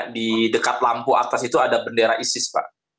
di dekat lampu atas itu ada bendera isis pak